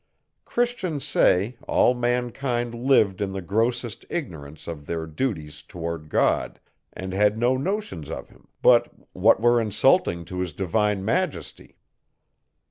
Christians say, all mankind lived in the grossest ignorance of their duties towards God, and had no notions of him, but what were insulting to his Divine Majesty.